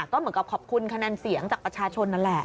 ก็เหมือนกับขอบคุณคะแนนเสียงจากประชาชนนั่นแหละ